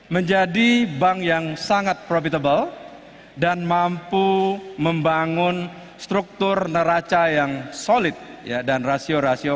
menjadi bank yang sangat profitable dan mampu membangun perusahaan yang sangat berhasil